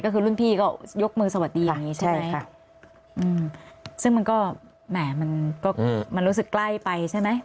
ก็คือรุ่นพี่ก็ยกมือสวัสดีอย่างงี้ใช่ไหมค่ะอืมซึ่งมันก็แหมมันก็มันรู้สึกใกล้ไปใช่ไหม